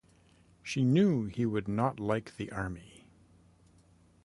She knew he would not like the army.